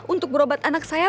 untuk berobat anak saya